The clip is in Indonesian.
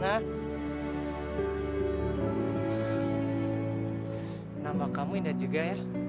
nama kamu indah juga